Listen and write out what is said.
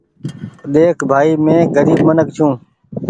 ۮيک ڀآئي مينٚ غريب منک ڇوٚنٚ